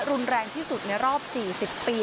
รุนแรงที่สุดในรอบ๔๐ปี